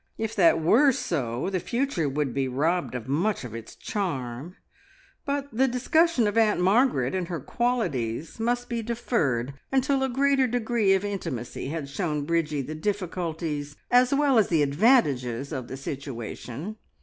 If that were so, the future would be robbed of much of its charm; but the discussion of Aunt Margaret and her qualities must be deferred until a greater degree of intimacy had shown Bridgie the difficulties, as well as the advantages, of the situation.